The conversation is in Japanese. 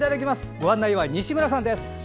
ご案内は西村さんです。